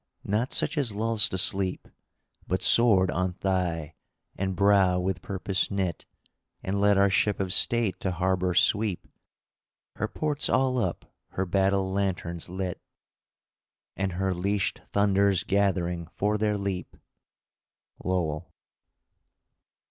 Not such as lulls to sleep, But sword on thigh, and brow with purpose knit! And let our Ship of State to harbor sweep, Her ports all up, her battle lanterns lit, And her leashed thunders gathering for their leap! Lowell.